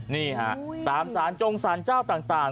นี่ห้าตามสารจงศาลเศร้าต่าง